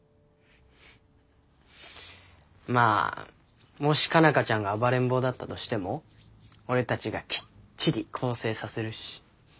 まあもし佳奈花ちゃんが暴れん坊だったとしても俺たちがきっちり更生させるし。